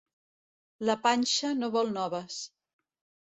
La panxa no vol noves.